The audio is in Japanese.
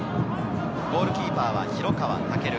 ゴールキーパーは広川豪琉。